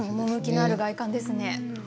趣のある外観ですね。